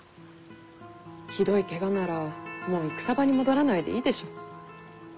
ひどいけがならもう戦場に戻らないでいいでしょ。